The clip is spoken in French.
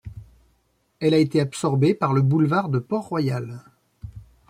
Elle a été absorbée par le boulevard de Port-Royal.